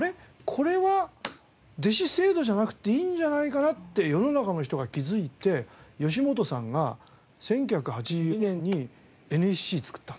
これは弟子制度じゃなくていいんじゃないかなって世の中の人が気づいて吉本さんが１９８２年にＮＳＣ作ったんですよ。